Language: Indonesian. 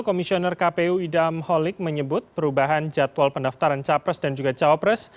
komisioner kpu idam holik menyebut perubahan jadwal pendaftaran capres dan juga cawapres